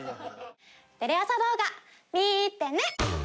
「テレ朝動画」見てね！